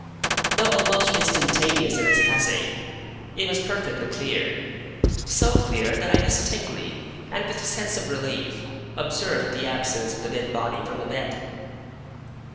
Though almost instantaneous in its passing, it was perfectly clear; so clear that I distinctly, and with a sense of relief, observed the absence of the dead body from the bed.